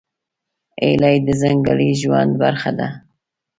هیلۍ د ځنګلي ژوند برخه ده